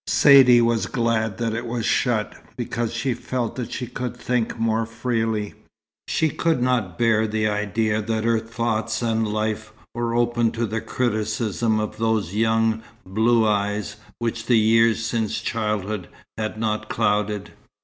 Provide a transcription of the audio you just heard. Saidee was glad that it was shut, because she felt that she could think more freely. She could not bear the idea that her thoughts and life were open to the criticism of those young, blue eyes, which the years since childhood had not clouded.